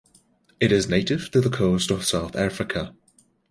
It is native to the coast of South Africa.